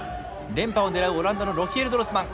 連覇を狙うオランダのロヒエル・ドルスマン